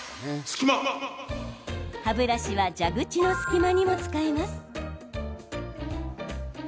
歯ブラシは蛇口の隙間にも使えます。